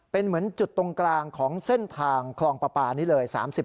เป็นเหมือนจุดตรงกลางของเส้นทางคลองปลาปลานี้เลย